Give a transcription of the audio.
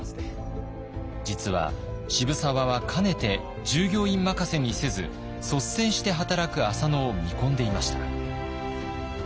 実は渋沢はかねて従業員任せにせず率先して働く浅野を見込んでいました。